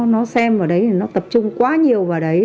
nó xem vào đấy thì nó tập trung quá nhiều vào đấy